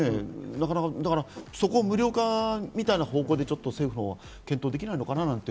そこを無料化みたいな方向で政府も検討できないのかなとか。